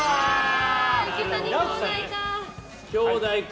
池谷兄弟か。